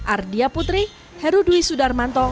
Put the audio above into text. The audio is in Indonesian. ardia putri herudwi sudarmanto